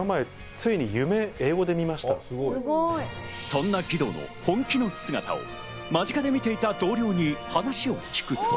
そんな義堂の本気の姿を間近で見てきた同僚に話を聞くと。